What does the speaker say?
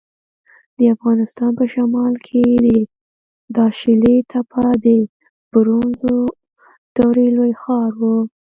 د افغانستان په شمال کې د داشلي تپه د برونزو دورې لوی ښار و